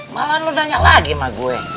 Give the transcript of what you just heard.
malah lu nanya lagi sama gue